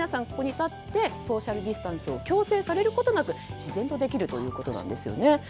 ここに立ってソーシャルディスタンスを強制されることなく自然とできるということなんですよね。